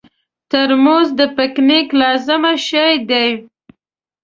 ترموز د پکنیک لازمي شی دی.